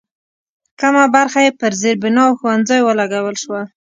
کمه برخه یې پر زېربنا او ښوونځیو ولګول شوه.